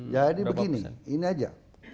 jadi begini ini aja